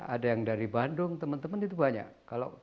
ada yang dari bandung teman teman itu banyak